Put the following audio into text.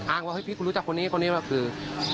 อ้างว่าเฮ้ยพี่รู้จักคนนี้คนนี้ว่าคือ